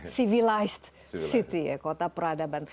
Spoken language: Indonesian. civilized city ya kota peradaban